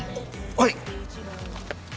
はい！